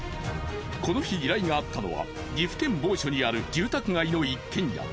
この日依頼があったのは岐阜県某所にある住宅街の一軒家。